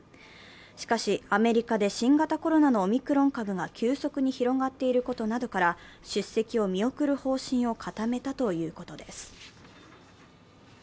しかし、アメリカで新型コロナのオミクロン株が急速に広がっていることなどから、出席を見送る方針を固めたということです。